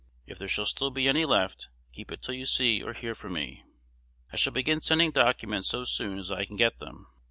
If there shall still be any left, keep it till you see or hear from me. I shall begin sending documents so soon as I can get them.